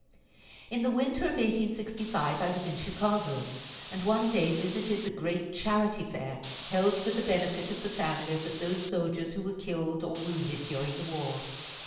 In the winter of 1865 I was in Chicago, and one day visited the great charity fair held for the benefit of the families of those soldiers who were killed or wounded during the war.